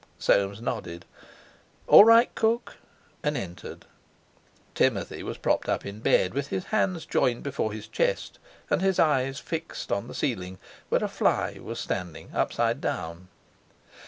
Soames nodded. "All right, Cook!" and entered. Timothy was propped up in bed, with his hands joined before his chest, and his eyes fixed on the ceiling, where a fly was standing upside down.